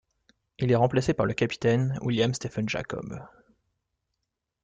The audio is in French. Il est remplacé par le capitaine William Stephen Jacob.